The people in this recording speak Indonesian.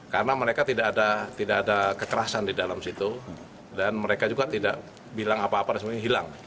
karena mereka tidak ada kekerasan di dalam situ dan mereka juga tidak bilang apa apa dan semuanya hilang